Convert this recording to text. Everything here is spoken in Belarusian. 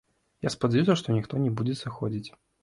Я спадзяюся, што ніхто не будзе сыходзіць.